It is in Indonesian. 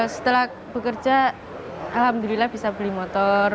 setelah bekerja alhamdulillah bisa beli motor